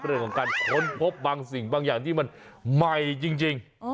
เรื่องของการค้นพบบางสิ่งบางอย่างที่มันใหม่จริง